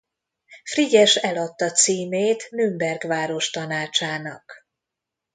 Frigyes eladta címét „Nürnberg város tanácsának“.